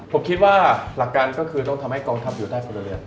ผมคิดว่าหลักการก็คือต้องทำให้กองทัพอยู่ใต้พลเรือน